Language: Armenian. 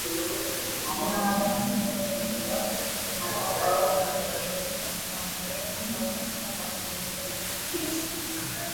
Ամենահաճախակի մեթոդներից օգտվողների համար կարող են տրվել վստահության միջակայքի բազմատեսակ բացատրություններ։